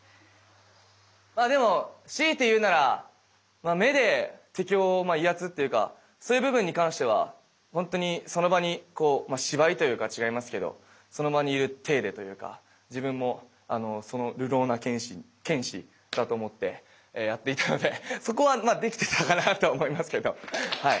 まあでも強いて言うなら目で敵を威圧っていうかそういう部分に関してはほんとにその場にこう芝居というか違いますけどその場にいる体でというか自分もその流浪な剣士だと思ってやっていたのでそこはできてたかなと思いますけどはい。